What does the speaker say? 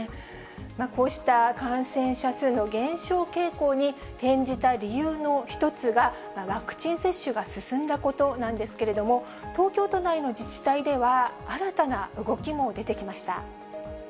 こうした感染者数の減少傾向に転じた理由の一つが、ワクチン接種が進んだことなんですけれども、東京都内の自治体では、新たな動きも出てきました。